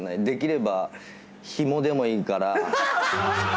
できればヒモでもいいから。